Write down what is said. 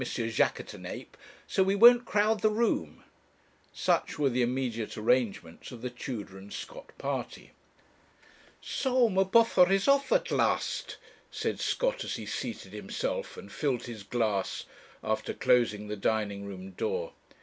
Jaquêtanàpe, so we won't crowd the room.' Such were the immediate arrangements of the Tudor and Scott party. 'So M'Buffer is off at last,' said Scott, as he seated himself and filled his glass, after closing the dining room door.